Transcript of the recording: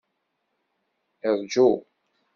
Rǧu!